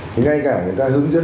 thì ngay cả người ta hướng dẫn